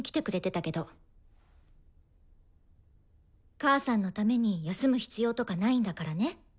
母さんのために休む必要とかないんだからね。